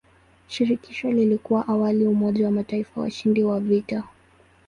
Shirikisho lilikuwa awali umoja wa mataifa washindi wa vita.